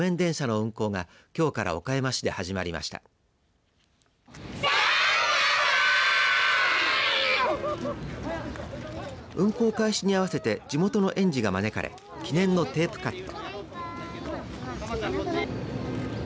運行開始に合わせて地元の園児が招かれ記念のテープカット。